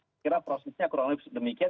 saya kira prosesnya kurang lebih seperti demikian